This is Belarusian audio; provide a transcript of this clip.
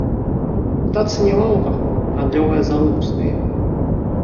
Пытацца няма ў каго, гандлёвыя залы пустыя.